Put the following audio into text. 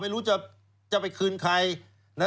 ไม่รู้จะไปคืนใครนะ